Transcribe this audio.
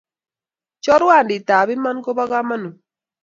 Chorwandit ap iman kopa kamanut